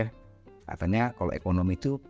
katanya kalau ekonomi itu